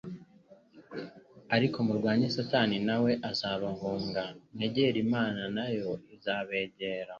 ariko murwanye Satani nawe azabahuruga. Mwegere Imana nayo izabegera'.»